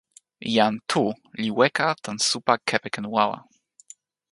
jan Tu li weka tan supa kepeken wawa.